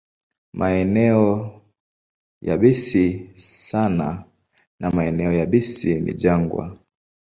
Maeneo yabisi sana na maeneo yabisi ni jangwa.